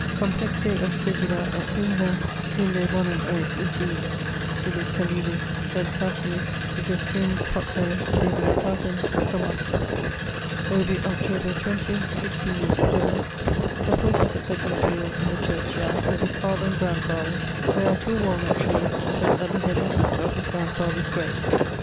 Complexio est frigida et humida, unde bonum erit uti cibis calidis, sed facilis digestionis propter debilitatem stomachi.' Obiit Octob. 20, 1687; sepultus at Beconsfield in the churchyard with his father and grandfathers, where are two walnutt trees sett at the head and foot of his grandfather's grave.